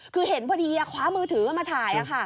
คือเห็นพอดีขวามือถือก็มาถ่ายค่ะ